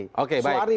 untuk suara nanti